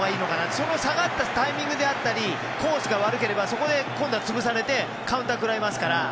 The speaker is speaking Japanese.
その下がったタイミングであったりコースが悪ければそこで今度は潰されてカウンターを食らいますから。